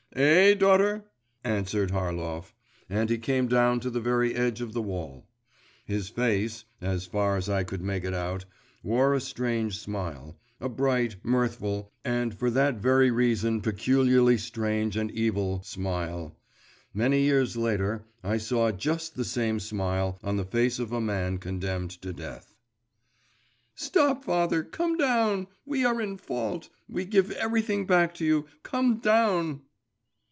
'Eh, daughter?' answered Harlov; and he came down to the very edge of the wall. His face, as far as I could make it out, wore a strange smile, a bright, mirthful and for that very reason peculiarly strange and evil smile.… Many years later I saw just the same smile on the face of a man condemned to death. 'Stop, father; come down. We are in fault; we give everything back to you. Come down.